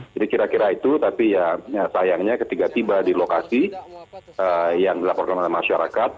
jadi kira kira itu tapi sayangnya ketika tiba di lokasi yang dilaporkan oleh masyarakat